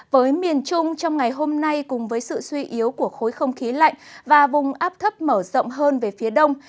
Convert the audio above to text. với miền trung trong ngày hôm nay cùng với sự suy yếu của khối không khí lạnh và vùng áp thấp mở rộng hơn về phía đông